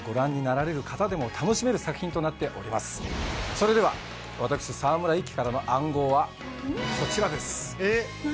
それでは私沢村一樹からの暗号はこちらです。